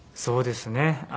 そうですね。